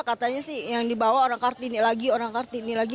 katanya sih yang dibawa orang kartini lagi orang kartini lagi